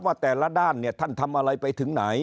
ว่าแต่ละด้านเนี่ยท่านทำอะไรไปถึงไหน